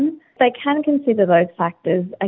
mereka bisa menganggap faktor faktor itu